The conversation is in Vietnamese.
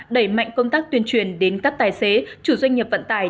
đẩy mạnh công tác tuyên truyền đến các tài xế chủ doanh nghiệp vận tải